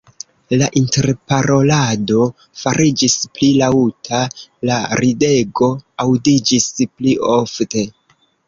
La interparolado fariĝis pli laŭta, la ridego aŭdiĝis pli ofte.